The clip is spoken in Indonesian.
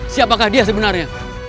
siapakah dia sebenarnya